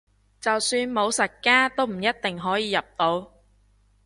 就算武術家都唔一定可以入到